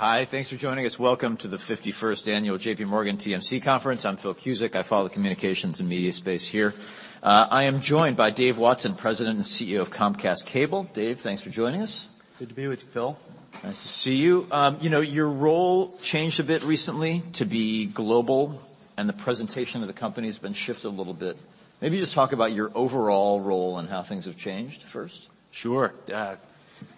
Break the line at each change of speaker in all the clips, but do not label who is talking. Hi. Thanks for joining us. Welcome to the 51st Annual JPMorgan TMC Conference. I'm Phil Cusick. I follow the communications and media space here. I am joined by Dave Watson, President and CEO of Comcast Cable. Dave, thanks for joining us.
Good to be with you, Phil.
Nice to see you. You know, your role changed a bit recently to be global, and the presentation of the company has been shifted a little bit. Maybe just talk about your overall role and how things have changed first.
Sure.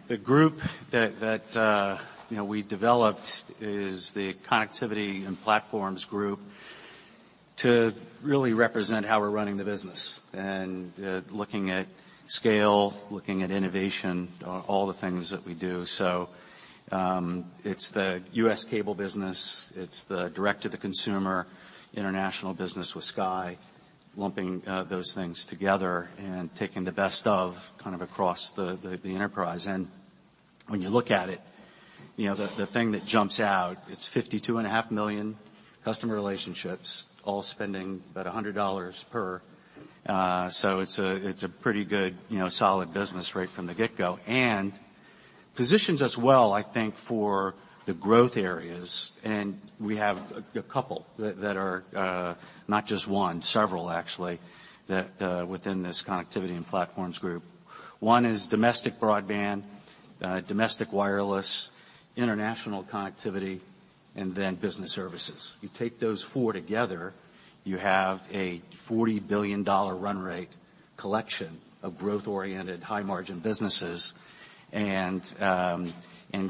The group that, you know, we developed is the Connectivity & Platforms group to really represent how we're running the business and looking at scale, looking at innovation, all the things that we do. It's the U.S. cable business, it's the direct to the consumer international business with Sky, lumping those things together and taking the best of, kind of across the enterprise. When you look at it, you know, the thing that jumps out, it's 52.5 million customer relationships, all spending about $100 per. It's a pretty good, you know, solid business right from the get-go. Positions us well, I think, for the growth areas. We have a couple that are not just one, several actually, that within this Connectivity & Platforms group. One is domestic broadband, domestic wireless, international connectivity, and then business services. You take those four together, you have a $40 billion run rate collection of growth-oriented, high margin businesses, and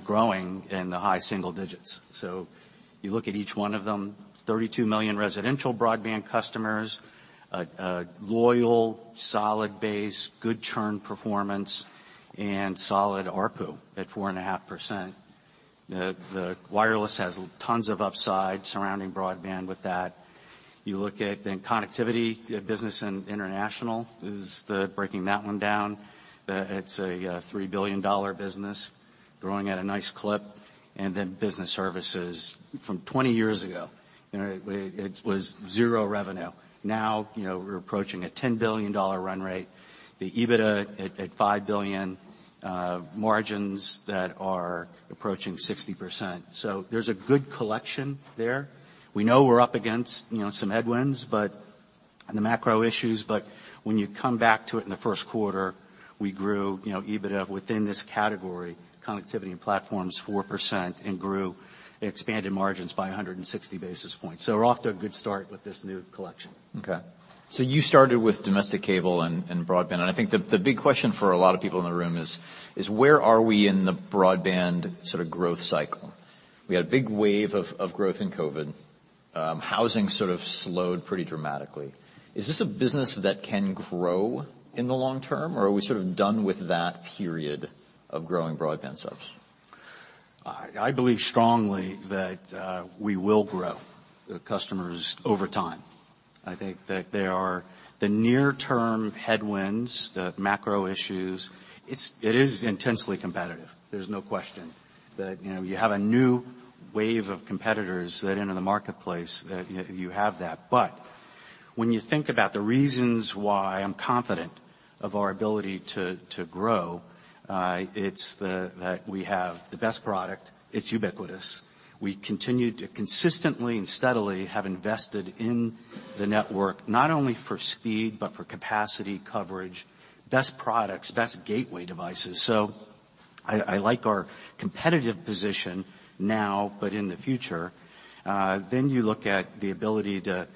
growing in the high single digits. You look at each one of them, 32 million residential broadband customers, a loyal, solid base, good churn performance, and solid ARPU at 4.5%. The wireless has tons of upside surrounding broadband with that. You look at then connectivity business and international is the breaking that one down. It's a, $3 billion business growing at a nice clip. Then business services from 20 years ago, you know, it's, was zero revenue. You know, we're approaching a $10 billion run rate, the EBITDA at $5 billion, margins that are approaching 60%. There's a good collection there. We know we're up against, you know, some headwinds and the macro issues, but when you come back to it in the first quarter, we grew, you know, EBITDA within this category, Connectivity & Platforms, 4% and grew expanded margins by 160 basis points. We're off to a good start with this new collection.
Okay. You started with domestic cable and broadband. I think the big question for a lot of people in the room is where are we in the broadband sort of growth cycle? We had a big wave of growth in COVID. Housing sort of slowed pretty dramatically. Is this a business that can grow in the long term, or are we sort of done with that period of growing broadband subs?
I believe strongly that we will grow the customers over time. I think that there are the near-term headwinds, the macro issues. It is intensely competitive, there's no question. That, you know, you have a new wave of competitors that enter the marketplace, that you have that. When you think about the reasons why I'm confident of our ability to grow, it's that we have the best product. It's ubiquitous. We continue to consistently and steadily have invested in the network, not only for speed but for capacity, coverage, best products, best gateway devices. I like our competitive position now, but in the future. You look at the ability to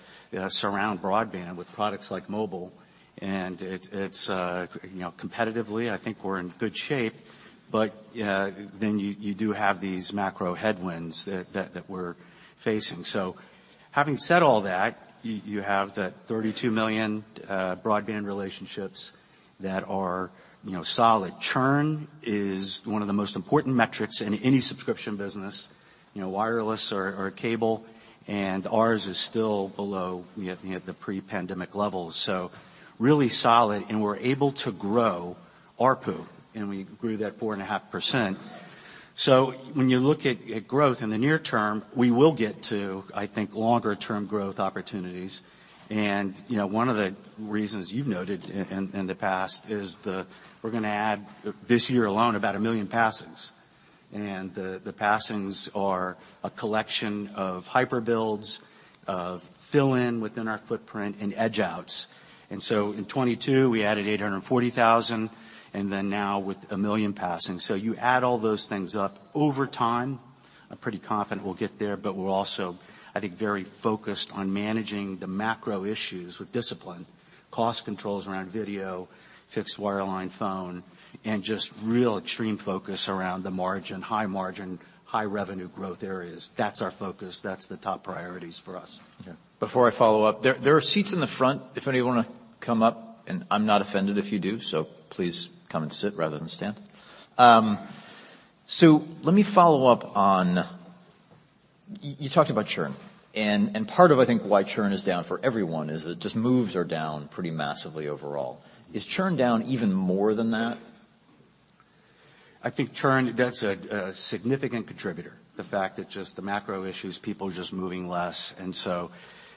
surround broadband with products like mobile, and it's, you know, competitively, I think we're in good shape. You do have these macro headwinds that we're facing. Having said all that, you have that 32 million broadband relationships that are, you know, solid. Churn is one of the most important metrics in any subscription business, you know, wireless or cable, and ours is still below, you know, the pre-pandemic levels. Really solid, and we're able to grow ARPU, and we grew that 4.5%. When you look at growth in the near term, we will get to, I think, longer term growth opportunities. You know, one of the reasons you've noted in the past is we're gonna add, this year alone, about 1 million passings. The passings are a collection of hyper-builds, of fill in within our footprint and edge-outs. In 2022, we added 840,000, and then now with 1 million passings. You add all those things up over time, I'm pretty confident we'll get there, but we're also, I think, very focused on managing the macro issues with discipline, cost controls around video, fixed wireline phone, and just real extreme focus around the margin, high margin, high revenue growth areas. That's our focus. That's the top priorities for us.
Okay. Before I follow up, there are seats in the front if anyone wanna come up, and I'm not offended if you do. Please come and sit rather than stand. Let me follow up on... You talked about churn and part of, I think, why churn is down for everyone is that just moves are down pretty massively overall. Is churn down even more than that?
I think churn, that's a significant contributor. The fact that just the macro issues, people just moving less,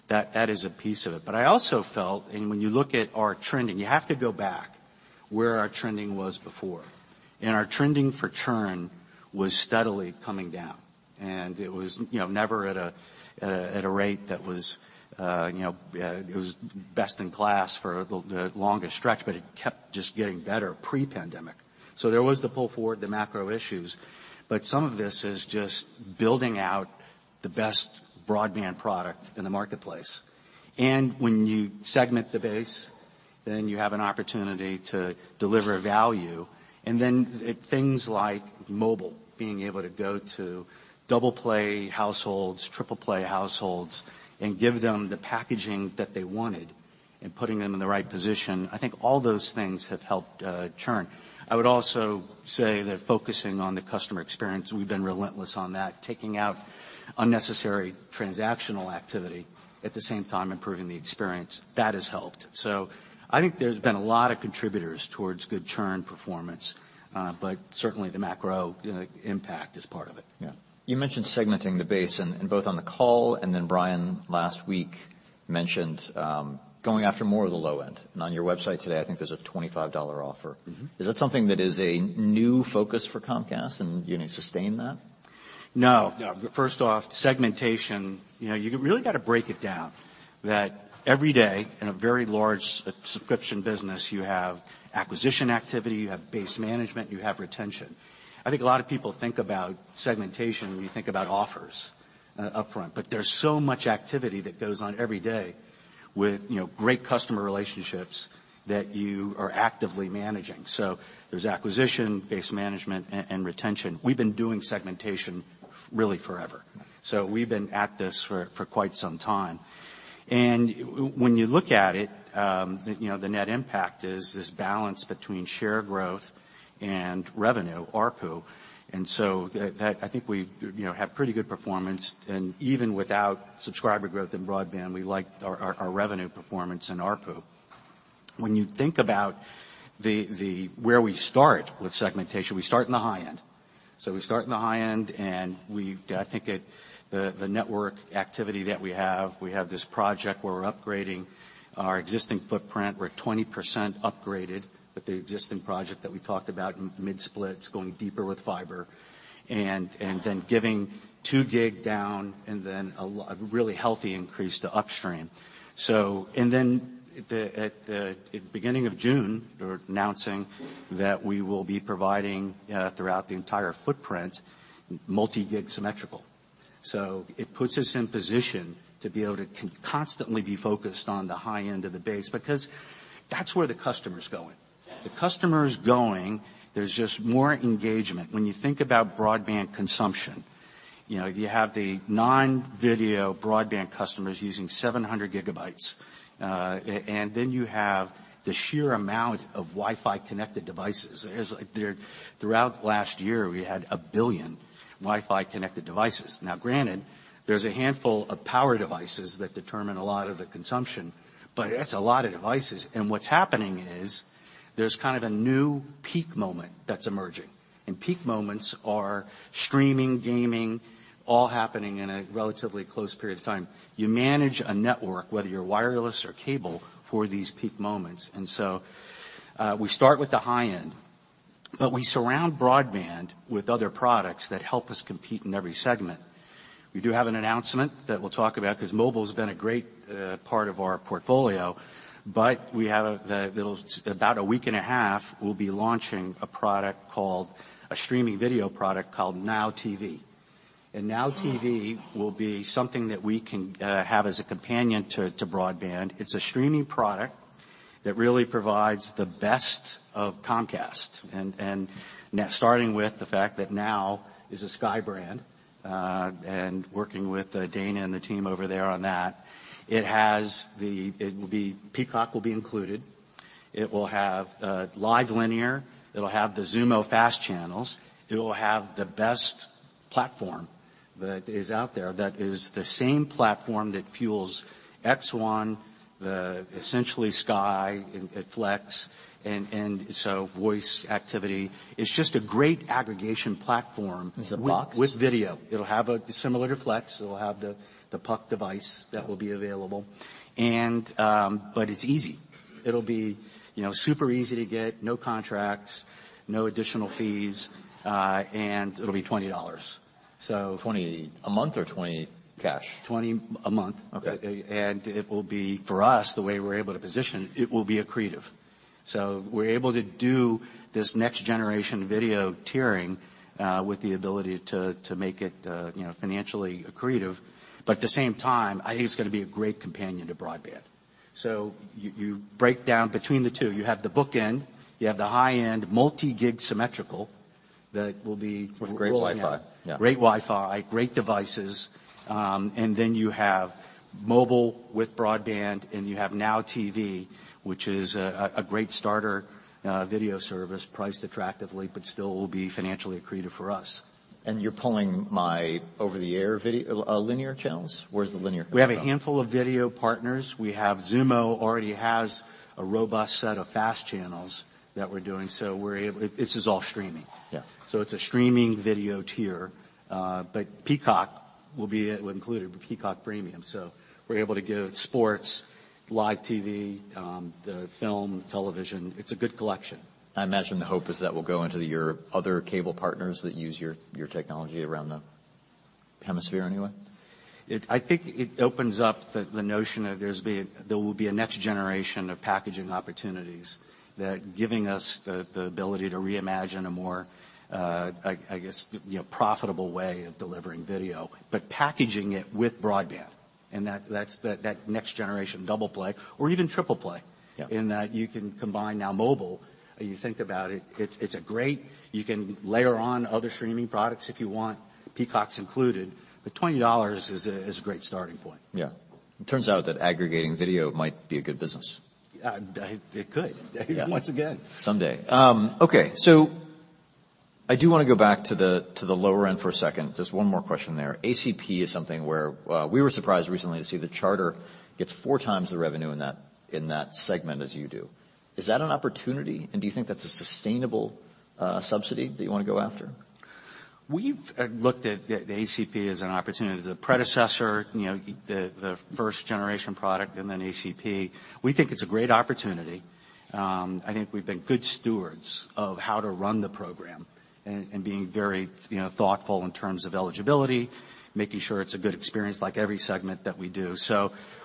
that is a piece of it. I also felt, when you look at our trend, you have to go back where our trending was before. Our trending for churn was steadily coming down. It was, you know, never at a rate that was, you know, it was best in class for the longest stretch, but it kept just getting better pre-pandemic. There was the pull forward, the macro issues, but some of this is just building out the best broadband product in the marketplace. When you segment the base, then you have an opportunity to deliver value. Then it things like mobile, being able to go to double play households, triple play households, and give them the packaging that they wanted and putting them in the right position. I think all those things have helped churn. I would also say that focusing on the customer experience, we've been relentless on that, taking out unnecessary transactional activity, at the same time improving the experience. That has helped. I think there's been a lot of contributors towards good churn performance, but certainly the macro, you know, impact is part of it. Yeah.
You mentioned segmenting the base and both on the call, and then Brian last week mentioned going after more of the low end. On your website today, I think there's a $25 offer.
Mm-hmm.
Is that something that is a new focus for Comcast, and you're gonna sustain that?
No. No. First off, segmentation, you know, you really gotta break it down that every day in a very large subscription business, you have acquisition activity, you have base management, you have retention. I think a lot of people think about segmentation when you think about offers upfront, but there's so much activity that goes on every day with, you know, great customer relationships that you are actively managing. There's acquisition, base management, and retention. We've been doing segmentation really forever. We've been at this for quite some time. When you look at it, you know, the net impact is this balance between share growth and revenue, ARPU. That. I think we, you know, have pretty good performance. Even without subscriber growth in broadband, we like our, our revenue performance and ARPU. When you think about the... Where we start with segmentation, we start in the high end. We start in the high end, and we I think it the network activity that we have, we have this project where we're upgrading our existing footprint. We're 20% upgraded with the existing project that we talked about, mid-splits, going deeper with fiber and then giving 2 Gb down and then a really healthy increase to upstream. The at the beginning of June, we're announcing that we will be providing throughout the entire footprint, multi-gig symmetrical. It puts us in position to be able to constantly be focused on the high end of the base because that's where the customer's going. The customer's going, there's just more engagement. When you think about broadband consumption, you know, you have the non-video broadband customers using 700 Gb, and then you have the sheer amount of Wi-Fi connected devices. There's like. Throughout last year, we had 1 billion Wi-Fi connected devices. Now granted, there's a handful of power devices that determine a lot of the consumption, but that's a lot of devices. What's happening is there's kind of a new peak moment that's emerging, and peak moments are streaming, gaming, all happening in a relatively close period of time. You manage a network, whether you're wireless or cable for these peak moments. We start with the high end, but we surround broadband with other products that help us compete in every segment. We do have an announcement that we'll talk about because mobile's been a great part of our portfolio, but we have a. About a week and a half, we'll be launching a product called a streaming video product called NOW TV. NOW TV will be something that we can have as a companion to broadband. It's a streaming product that really provides the best of Comcast and now starting with the fact that NOW is a Sky brand and working with Dana and the team over there on that. It will be Peacock will be included. It will have live linear. It'll have the Xumo FAST Channels. It will have the best platform that is out there that is the same platform that fuels X1, essentially Sky, Flex, and so voice activity. It's just a great aggregation platform.
It's a box?
with video. It'll have a similar to Flex. It'll have the puck device that will be available. But it's easy. It'll be, you know, super easy to get. No contracts, no additional fees, and it'll be $20.
$20 a month or $20 cash?
$20 a month.
Okay.
It will be, for us, the way we're able to position it will be accretive. We're able to do this next generation video tiering, with the ability to make it, you know, financially accretive. At the same time, I think it's gonna be a great companion to broadband. You break down between the two. You have the book end. You have the high-end multi-gig symmetrical that will be-
With great Wi-Fi. Yeah.
Great Wi-Fi, great devices. You have mobile with broadband, and you have NOW TV, which is a great starter video service priced attractively, but still will be financially accretive for us.
You're pulling my over-the-air video linear channels? Where's the linear coming from?
We have a handful of video partners. We have Xumo already has a robust set of FAST channels that we're doing, so we're able. This is all streaming.
Yeah.
It's a streaming video tier. Peacock will be included with Peacock Premium. We're able to give sports, live TV, the film, television. It's a good collection.
I imagine the hope is that will go into your other cable partners that use your technology around the hemisphere anyway.
I think it opens up the notion of there will be a next generation of packaging opportunities that giving us the ability to reimagine a more, I guess, you know, profitable way of delivering video, but packaging it with broadband, and that's that next generation double play or even triple play.
Yeah.
In that you can combine now mobile. You think about it's a great. You can layer on other streaming products if you want, Peacocks included. $20 is a great starting point.
Yeah. It turns out that aggregating video might be a good business.
It could.
Yeah.
Once again.
Someday. Okay. I do wanna go back to the, to the lower end for a second. Just one more question there. ACP is something where we were surprised recently to see that Charter gets 4x the revenue in that, in that segment as you do. Is that an opportunity, and do you think that's a sustainable subsidy that you wanna go after?
We've looked at the ACP as an opportunity. The predecessor, you know, the first generation product and then ACP, we think it's a great opportunity. I think we've been good stewards of how to run the program and being very, you know, thoughtful in terms of eligibility, making sure it's a good experience like every segment that we do.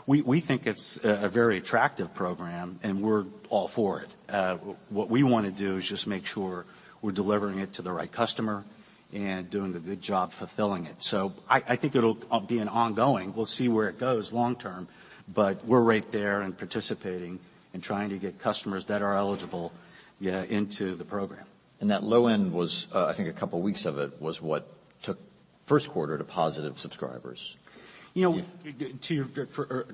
We think it's a very attractive program, and we're all for it. What we wanna do is just make sure we're delivering it to the right customer and doing a good job fulfilling it. I think it'll be an ongoing. We'll see where it goes long term, but we're right there and participating and trying to get customers that are eligible into the program.
That low end was, I think a couple weeks of it was what took first quarter to positive subscribers.
You know, to your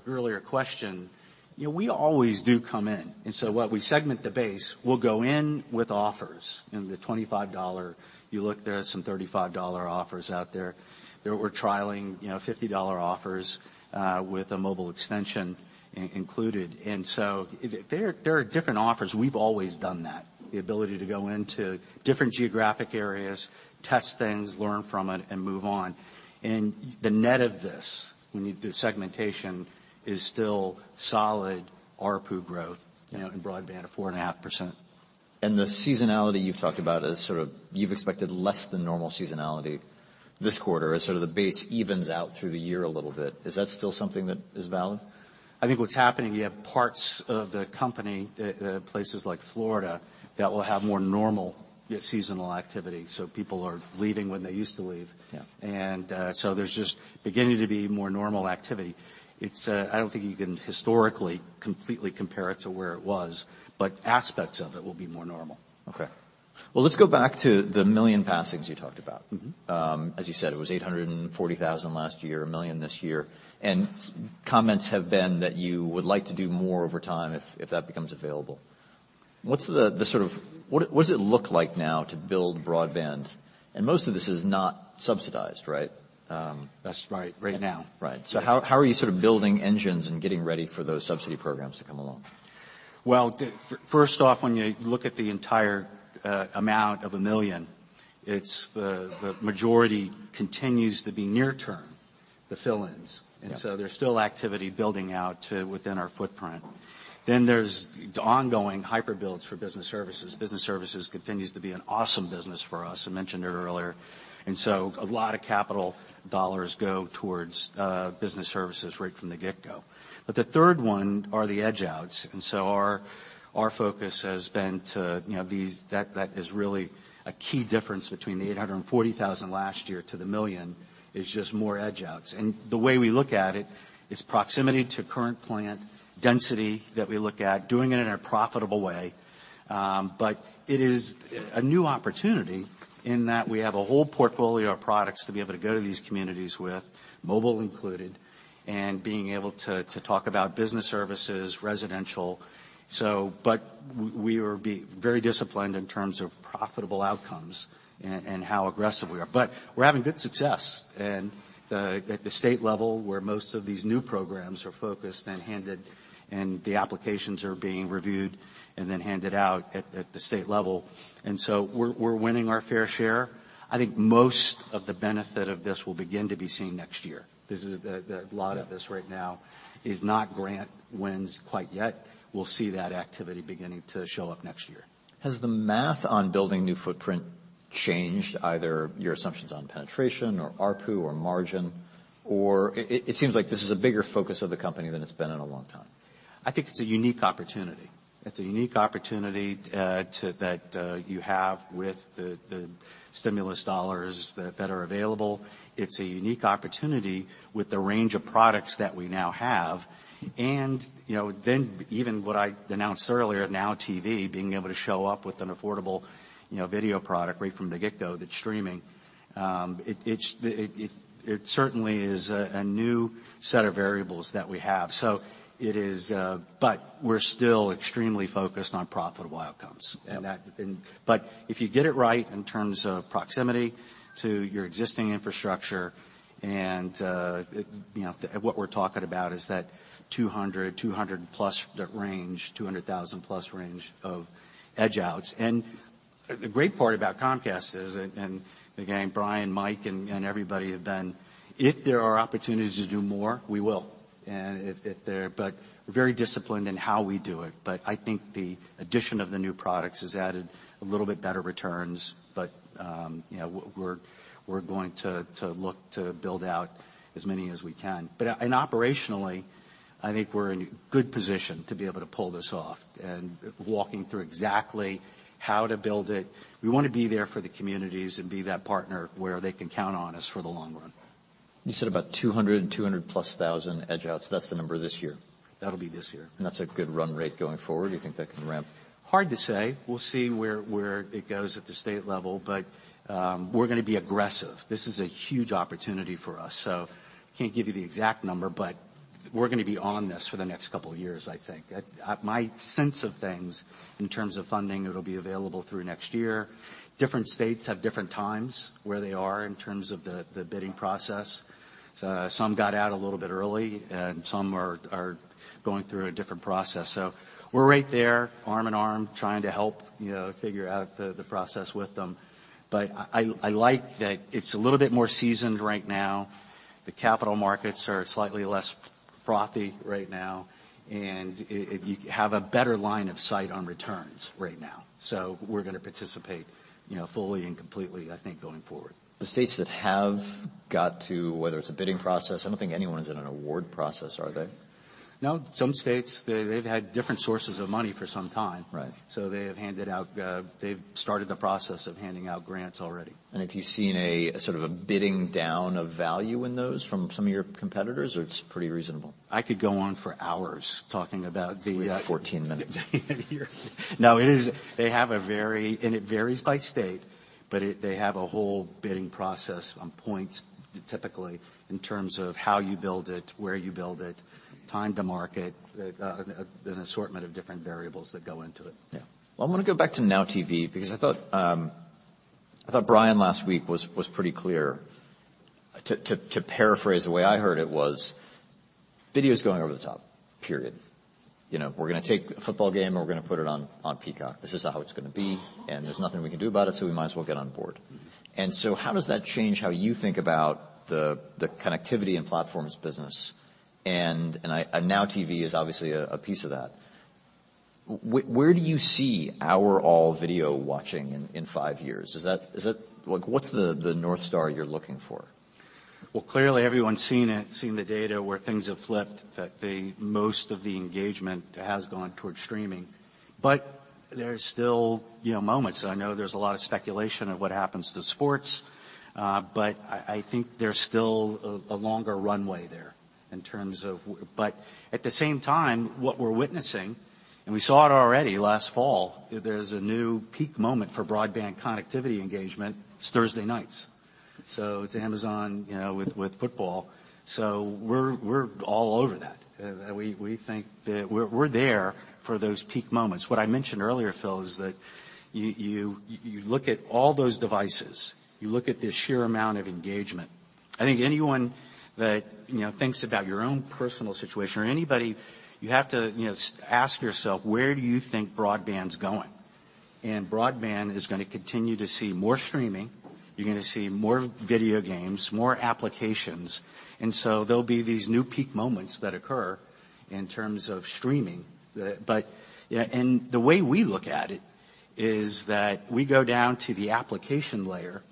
earlier question, you know, we always do come in. While we segment the base, we'll go in with offers in the $25. You look, there are some $35 offers out there. We're trialing, you know, $50 offers with a mobile extension included. There are different offers. We've always done that, the ability to go into different geographic areas, test things, learn from it, and move on. The net of this, when you do segmentation, is still solid ARPU growth.
Yeah
You know, in broadband of 4.5%.
The seasonality you've talked about is sort of you've expected less than normal seasonality this quarter as sort of the base evens out through the year a little bit. Is that still something that is valid?
I think what's happening, places like Florida, that will have more normal seasonal activity. People are leaving when they used to leave.
Yeah.
There's just beginning to be more normal activity. It's, I don't think you can historically completely compare it to where it was, but aspects of it will be more normal.
Okay. Well, let's go back to the 1 million passings you talked about.
Mm-hmm.
As you said, it was 840,000 last year, 1 million this year. Comments have been that you would like to do more over time if that becomes available. What's the sort of... What does it look like now to build broadband? Most of this is not subsidized, right?
That's right, right now.
Right. How are you sort of building engines and getting ready for those subsidy programs to come along?
Well, First off, when you look at the entire amount of 1 million, it's the majority continues to be near term, the fill-ins.
Yeah.
There's still activity building out to within our footprint. There's ongoing hyper-builds for business services. Business services continues to be an awesome business for us. I mentioned it earlier. A lot of capital dollars go towards business services right from the get go. The third one are the edge-outs. Our focus has been to, you know, that is really a key difference between the 840,000 last year to the 1 million is just more edge-outs. The way we look at it is proximity to current plant, density that we look at, doing it in a profitable way. It is a new opportunity in that we have a whole portfolio of products to be able to go to these communities with, mobile included, and being able to talk about business services, residential. We are be very disciplined in terms of profitable outcomes and how aggressive we are. We're having good success at the state level where most of these new programs are focused and handed, and the applications are being reviewed and then handed out at the state level. We're winning our fair share. I think most of the benefit of this will begin to be seen next year. A lot of this right now is not grant wins quite yet. We'll see that activity beginning to show up next year.
Has the math on building new footprint changed either your assumptions on penetration or ARPU or margin? It seems like this is a bigger focus of the company than it's been in a long time.
I think it's a unique opportunity. It's a unique opportunity, to that you have with the stimulus dollars that are available. It's a unique opportunity with the range of products that we now have. You know, then even what I announced earlier, NOW TV being able to show up with an affordable, you know, video product right from the get-go that's streaming, it certainly is a new set of variables that we have. It is. We're still extremely focused on profitable outcomes.
Yeah.
If you get it right in terms of proximity to your existing infrastructure, you know, what we're talking about is that 200+ range, 200,000 plus range of edge-outs. The great part about Comcast is, and again, Brian, Mike and everybody have been, if there are opportunities to do more, we will. We're very disciplined in how we do it. I think the addition of the new products has added a little bit better returns. You know, we're going to look to build out as many as we can. Operationally, I think we're in good position to be able to pull this off and walking through exactly how to build it. We wanna be there for the communities and be that partner where they can count on us for the long run.
You said about 200+ thousand edge-outs. That's the number this year?
That'll be this year.
That's a good run rate going forward? You think that can ramp?
Hard to say. We'll see where it goes at the state level, but we're gonna be aggressive. This is a huge opportunity for us. Can't give you the exact number, but we're gonna be on this for the next couple of years, I think. My sense of things in terms of funding, it'll be available through next year. Different states have different times where they are in terms of the bidding process. Some got out a little bit early, and some are going through a different process. We're right there arm in arm, trying to help, you know, figure out the process with them. I like that it's a little bit more seasoned right now. The capital markets are slightly less frothy right now, and you have a better line of sight on returns right now. We're gonna participate, you know, fully and completely, I think, going forward.
The states that have got to whether it's a bidding process, I don't think anyone is in an award process, are they?
No. Some states, they've had different sources of money for some time.
Right.
They have handed out. They've started the process of handing out grants already.
Have you seen a sort of a bidding down of value in those from some of your competitors, or it's pretty reasonable?
I could go on for hours talking about the.
We have 14 minutes.
No, it is. They have a very... It varies by state, but they have a whole bidding process on points typically in terms of how you build it, where you build it, time to market, an assortment of different variables that go into it.
Yeah. Well, I'm gonna go back to NOW TV because I thought Brian last week was pretty clear. To paraphrase, the way I heard it was, video is going over the top, period. You know, we're gonna take a football game, and we're gonna put it on Peacock. This is how it's gonna be, and there's nothing we can do about it, so we might as well get on board.
Mm-hmm.
How does that change how you think about the Connectivity & Platforms business? NOW TV is obviously a piece of that. Where do you see our all video watching in five years? Is that? Like, what's the Northstar you're looking for?
Clearly everyone's seen it, seen the data where things have flipped, that the most of the engagement has gone towards streaming. There's still, you know, moments. I know there's a lot of speculation of what happens to sports, but I think there's still a longer runway there in terms of... At the same time, what we're witnessing, and we saw it already last fall, there's a new peak moment for broadband connectivity engagement. It's Thursday nights. It's Amazon, you know, with football. We're all over that. We think that we're there for those peak moments. What I mentioned earlier, Phil, is that you look at all those devices, you look at the sheer amount of engagement. I think anyone that, you know, thinks about your own personal situation or anybody, you have to, you know, ask yourself, where do you think broadband's going? Broadband is gonna continue to see more streaming. You're gonna see more video games, more applications. So there'll be these new peak moments that occur in terms of streaming. You know, the way we look at it is that we go down to the application layer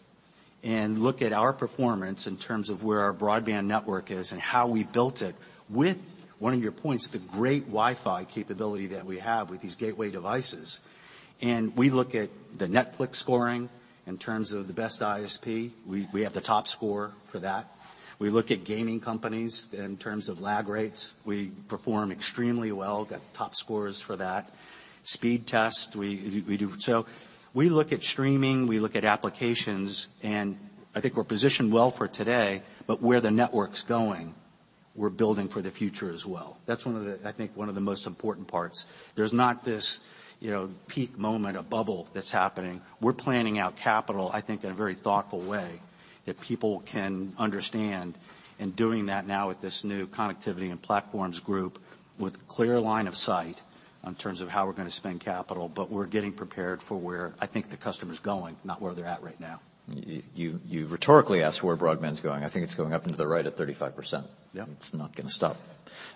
and look at our performance in terms of where our broadband network is and how we built it with, one of your points, the great Wi-Fi capability that we have with these gateway devices. We look at the Netflix scoring in terms of the best ISP. We have the top score for that. We look at gaming companies in terms of lag rates. We perform extremely well, got top scores for that. Speed Test, we do. We look at streaming, we look at applications, and I think we're positioned well for today. Where the network's going, we're building for the future as well. That's one of the most important parts. There's not this, you know, peak moment, a bubble that's happening. We're planning out capital, I think, in a very thoughtful way that people can understand, and doing that now with this new Connectivity & Platforms group with clear line of sight in terms of how we're gonna spend capital. We're getting prepared for where I think the customer's going, not where they're at right now.
You rhetorically asked where broadband's going. I think it's going up into the right at 35%.
Yeah.
It's not gonna stop.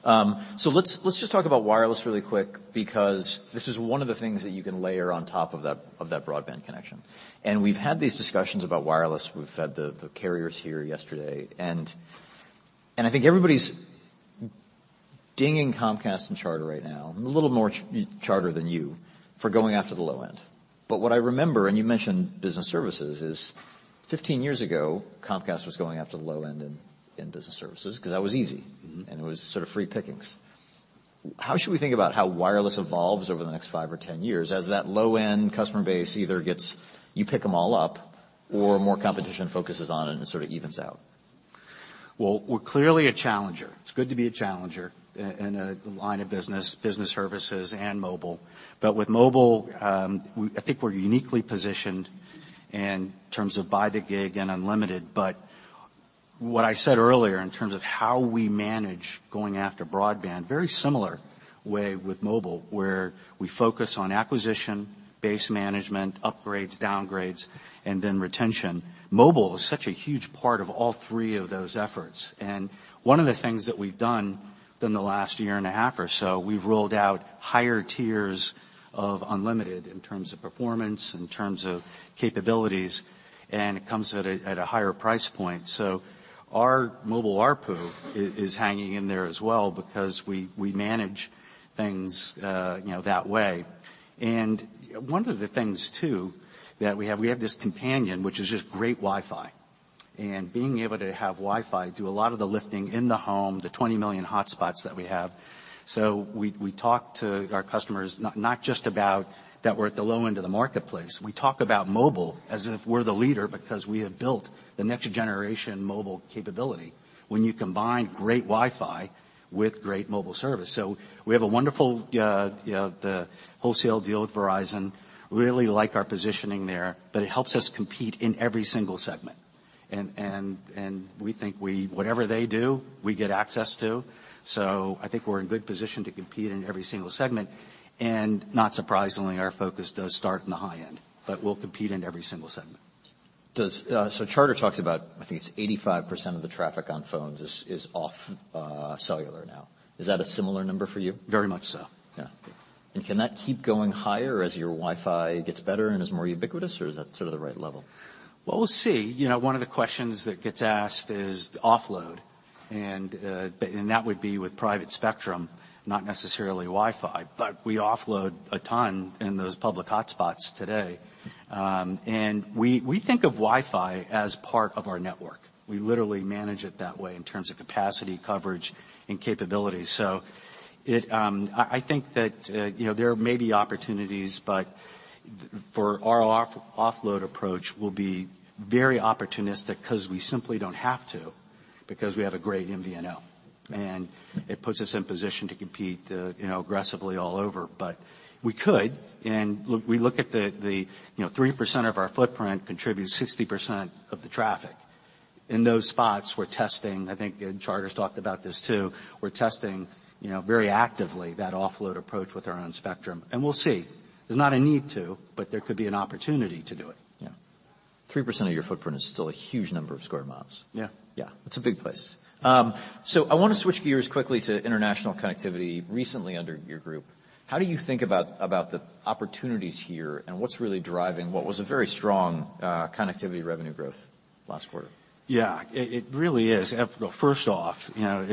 Let's just talk about wireless really quick because this is one of the things that you can layer on top of that broadband connection. We've had these discussions about wireless. We've had the carriers here yesterday. I think everybody's dinging Comcast and Charter right now, a little more Charter than you, for going after the low end. What I remember, and you mentioned business services, is 15 years ago, Comcast was going after the low end in business services 'cause that was easy.
Mm-hmm.
It was sort of free pickings. How should we think about how wireless evolves over the next five or 10 years as that low-end customer base either gets... You pick them all up or more competition focuses on it and it sort of evens out?
We're clearly a challenger. It's good to be a challenger in a line of business services and mobile. With mobile, I think we're uniquely positioned in terms of By the Gig and Unlimited. What I said earlier in terms of how we manage going after broadband, very similar way with mobile, where we focus on acquisition, base management, upgrades, downgrades, and then retention. Mobile is such a huge part of all three of those efforts. One of the things that we've done in the last year and a half or so, we've rolled out higher tiers of unlimited in terms of performance, in terms of capabilities, and it comes at a, at a higher price point. Our mobile ARPU is hanging in there as well because we manage things, you know, that way. One of the things too that we have, we have this companion which is just great Wi-Fi, and being able to have Wi-Fi do a lot of the lifting in the home, the 20 million hotspots that we have. We talk to our customers not just about that we're at the low end of the marketplace. We talk about mobile as if we're the leader because we have built the next generation mobile capability when you combine great Wi-Fi with great mobile service. We have a wonderful, the wholesale deal with Verizon, really like our positioning there, but it helps us compete in every single segment. We think we... Whatever they do, we get access to. I think we're in good position to compete in every single segment, and not surprisingly, our focus does start in the high end, but we'll compete in every single segment.
Charter talks about, I think it's 85% of the traffic on phones is off, cellular now. Is that a similar number for you?
Very much so.
Yeah. Can that keep going higher as your Wi-Fi gets better and is more ubiquitous, or is that sort of the right level?
Well, we'll see. You know, one of the questions that gets asked is offload, and that would be with private spectrum, not necessarily Wi-Fi. We offload a ton in those public hotspots today. We think of Wi-Fi as part of our network. We literally manage it that way in terms of capacity, coverage, and capabilities. It, I think that, you know, there may be opportunities, but for our offload approach, we'll be very opportunistic 'cause we simply don't have to, because we have a great MVNO. It puts us in position to compete, you know, aggressively all over. We could, and look, we look at the, you know, 3% of our footprint contributes 60% of the traffic. In those spots we're testing, I think, and Charter's talked about this too, we're testing, you know, very actively that offload approach with our own spectrum. We'll see. There's not a need to, but there could be an opportunity to do it.
Yeah. 3% of your footprint is still a huge number of square miles.
Yeah.
Yeah. It's a big place. I wanna switch gears quickly to international connectivity recently under your group. How do you think about the opportunities here and what's really driving what was a very strong connectivity revenue growth last quarter?
Yeah. It, it really is. First off, you know,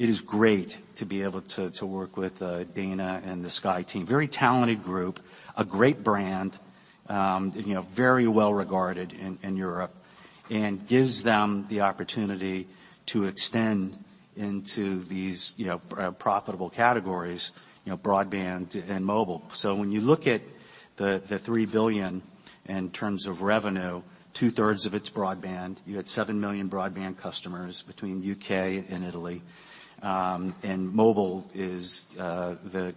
it is great to be able to work with Dana and the Sky team. Very talented group, a great brand, you know, very well regarded in Europe, and gives them the opportunity to extend into these, you know, profitable categories, you know, broadband and mobile. When you look at the $3 billion in terms of revenue, 2/3 of it's broadband. You had 7 million broadband customers between U.K. and Italy. And mobile is, you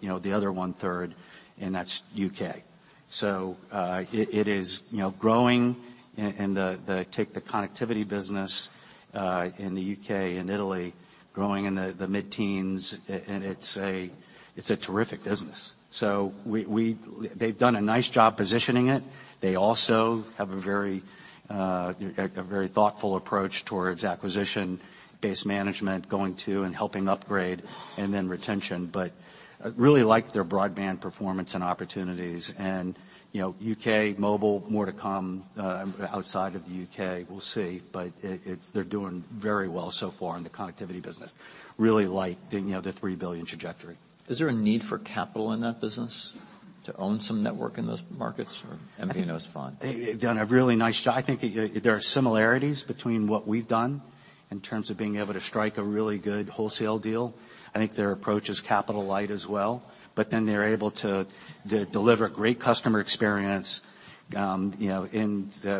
know, the other 1/3, and that's U.K. It, it is, you know, growing in the connectivity business in the U.K. and Italy growing in the mid-teens. It, and it's a, it's a terrific business. They've done a nice job positioning it. They also have a very, a very thoughtful approach towards acquisition, base management, going to and helping upgrade, and then retention. I really like their broadband performance and opportunities and, you know, U.K. mobile, more to come, outside of the U.K. We'll see, but they're doing very well so far in the connectivity business. Really like the, you know, the $3 billion trajectory.
Is there a need for capital in that business to own some network in those markets or MVNO's fine?
They've done a really nice job. I think there are similarities between what we've done in terms of being able to strike a really good wholesale deal. I think their approach is capital light as well, but then they're able to deliver a great customer experience, you know,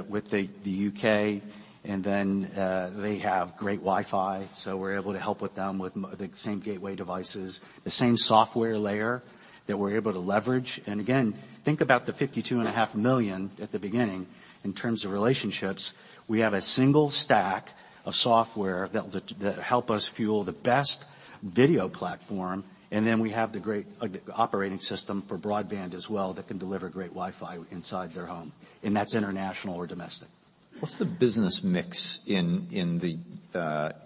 with the U.K. They have great Wi-Fi, so we're able to help with them with the same gateway devices, the same software layer that we're able to leverage. Again, think about the 52.5 million at the beginning in terms of relationships. We have a single stack of software that'll help us fuel the best video platform, and then we have the great operating system for broadband as well that can deliver great Wi-Fi inside their home, and that's international or domestic.
What's the business mix in the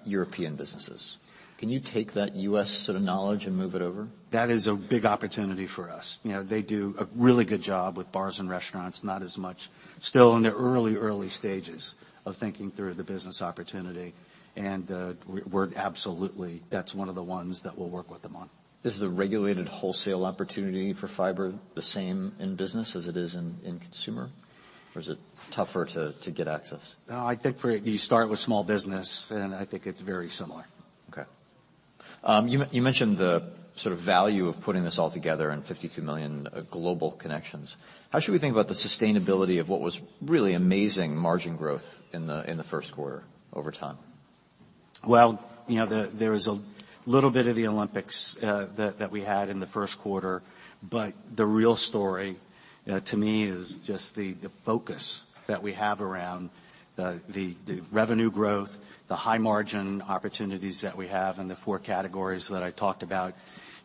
European businesses? Can you take that U.S. sort of knowledge and move it over?
That is a big opportunity for us. You know, they do a really good job with bars and restaurants, not as much. Still in the early stages of thinking through the business opportunity, and that's one of the ones that we'll work with them on.
Is the regulated wholesale opportunity for fiber the same in business as it is in consumer, or is it tougher to get access?
No, I think for you start with small business, and I think it's very similar.
Okay. You mentioned the sort of value of putting this all together in 52 million global connections. How should we think about the sustainability of what was really amazing margin growth in the first quarter over time?
You know, there is a little bit of the Olympics that we had in the first quarter, but the real story to me is just the focus that we have around the revenue growth, the high margin opportunities that we have in the four categories that I talked about.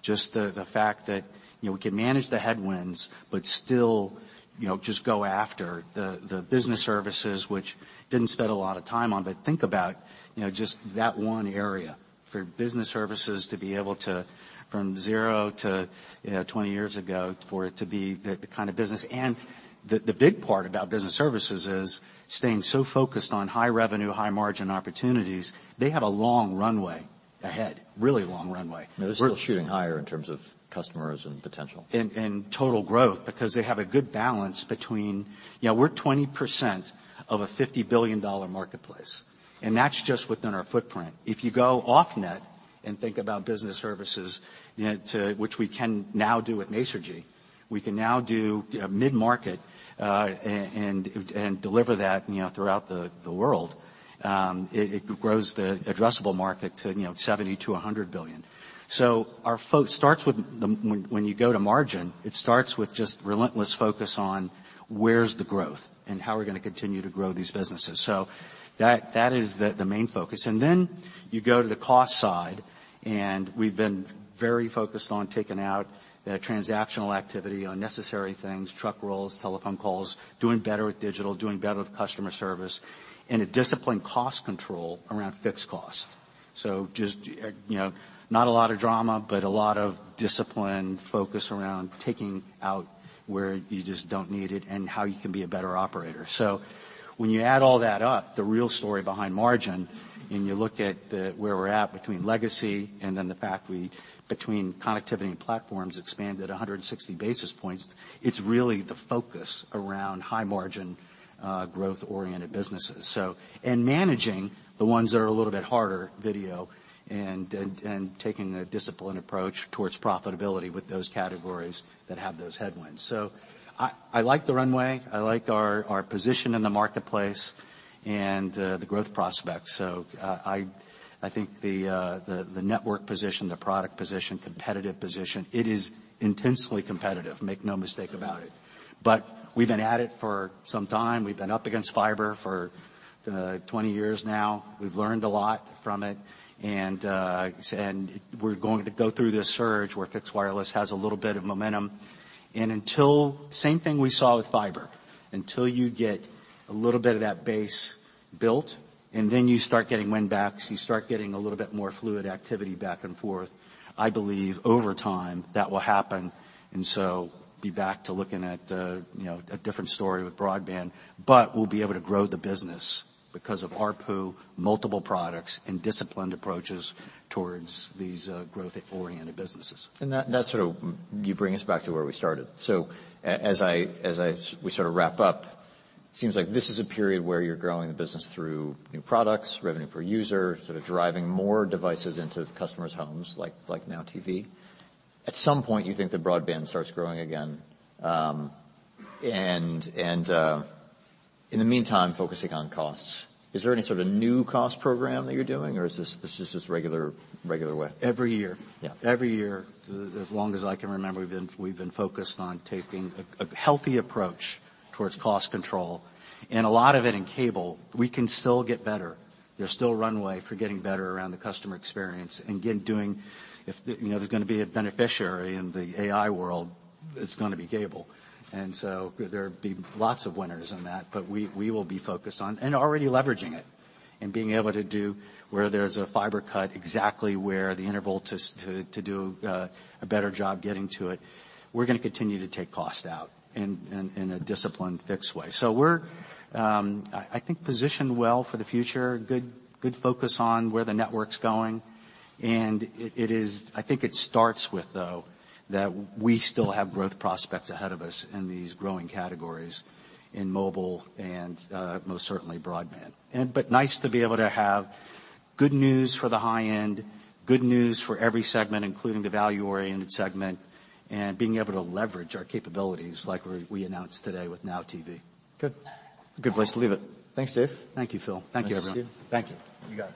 Just the fact that, you know, we can manage the headwinds, but still, you know, just go after the business services, which didn't spend a lot of time on. Think about, you know, just that one area for business services to be able to from zero to, you know, 20 years ago, for it to be the kind of business. The big part about business services is staying so focused on high revenue, high margin opportunities. They have a long runway ahead, really long runway.
They're still shooting higher in terms of customers and potential.
Total growth because they have a good balance between. You know, we're 20% of a $50 billion marketplace, and that's just within our footprint. If you go off net and think about business services, you know, to which we can now do with Masergy. We can now do, you know, mid-market, and deliver that, you know, throughout the world. It grows the addressable market to, you know, $70 billion-$100 billion. Our starts with the. When you go to margin, it starts with just relentless focus on where's the growth and how we're gonna continue to grow these businesses. That is the main focus. Then you go to the cost side, and we've been very focused on taking out the transactional activity, unnecessary things, truck rolls, telephone calls, doing better with digital, doing better with customer service, and a disciplined cost control around fixed costs. Just, you know, not a lot of drama, but a lot of discipline, focus around taking out where you just don't need it and how you can be a better operator. When you add all that up, the real story behind margin, and you look at the, where we're at between legacy and then the fact we, between Connectivity & Platforms expanded 160 basis points, it's really the focus around high margin, growth-oriented businesses. Managing the ones that are a little bit harder, video and taking a disciplined approach towards profitability with those categories that have those headwinds. I like the runway. I like our position in the marketplace and the growth prospects. I think the network position, the product position, competitive position, it is intensely competitive, make no mistake about it. We've been at it for some time. We've been up against fiber for 20 years now. We've learned a lot from it, and we're going to go through this surge where fixed wireless has a little bit of momentum. Until... Same thing we saw with fiber. Until you get a little bit of that base built, and then you start getting win-backs, you start getting a little bit more fluid activity back and forth. I believe over time, that will happen. Be back to looking at, you know, a different story with broadband. We'll be able to grow the business because of ARPU, multiple products, and disciplined approaches towards these, growth-oriented businesses.
That sort of. You bring us back to where we started. As I, we sort of wrap up, seems like this is a period where you're growing the business through new products, revenue per user, sort of driving more devices into customers' homes, like NOW TV. At some point, you think that broadband starts growing again, in the meantime, focusing on costs. Is there any sort of new cost program that you're doing, or is this just regular way?
Every year.
Yeah.
Every year, as long as I can remember, we've been focused on taking a healthy approach towards cost control. A lot of it in cable, we can still get better. There's still runway for getting better around the customer experience and get doing... If, you know, there's gonna be a beneficiary in the AI world, it's gonna be cable. There'd be lots of winners in that. We will be focused on and already leveraging it and being able to do where there's a fiber cut exactly where the interval to do a better job getting to it. We're gonna continue to take cost out in a disciplined fixed way. We're, I think positioned well for the future, good focus on where the network's going. It is... I think it starts with, though, that we still have growth prospects ahead of us in these growing categories in mobile and most certainly broadband. Nice to be able to have good news for the high end, good news for every segment, including the value-oriented segment, and being able to leverage our capabilities like we announced today with NOW TV.
Good. Good place to leave it. Thanks, Dave.
Thank you, Phil. Thank you, everyone.
Nice to see you. Thank you. You got it.